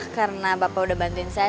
karena bapak udah bantuin saya